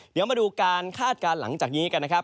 เดี๋ยวมาดูการคาดการณ์หลังจากนี้กันนะครับ